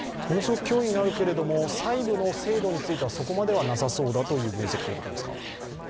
ものすごく脅威になるけれども細部の精度についてはそこまではなさそうだという分析ということですか。